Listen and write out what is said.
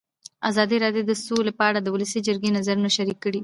ازادي راډیو د سوله په اړه د ولسي جرګې نظرونه شریک کړي.